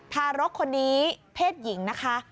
ทารกคนนี้เพศหญิงนะคะ